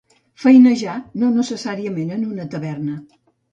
Feinejar, no necessàriament en una taverna.